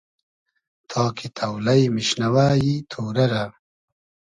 تا کی تۆلݷ میشنئوۂ ای تۉرۂ رۂ